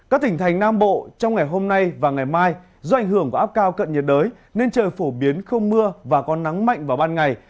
các tỉnh thành nam bộ trong ngày hôm nay và ngày mai do ảnh hưởng của áp cao cận nhiệt đới nên trời phổ biến không mưa và có nắng mạnh vào ban ngày